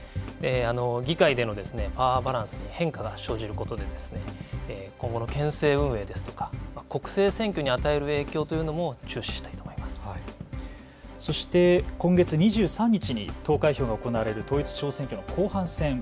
議会でのパワーバランスに変化が生じることで、今後の県政運営ですとか、国政選挙に与える影響とそして今月２３日に投開票が行われる統一地方選挙の後半戦。